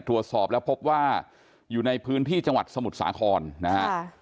ตรวจสอบแล้วพบว่าอยู่ในพื้นที่จังหวัดสมุทรสาครนะฮะ